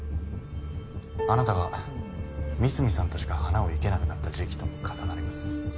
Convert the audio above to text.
あなたが三隅さんとしか花を生けなくなった時期とも重なります。